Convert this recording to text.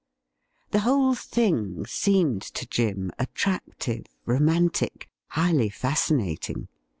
The whole thing seemed to Jim attractive, romantic, highly fascinating.